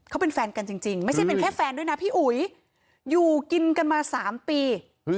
เขาเป็นแฟนกันจริงไม่ใช่เป็นแค่แฟนด้วยนะพี่อุ๋ยอยู่กินกันมา๓ปี